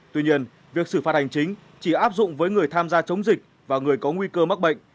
tuy nhiên việc xử phạt hành chính chỉ áp dụng với người tham gia chống dịch và người có nguy cơ mắc bệnh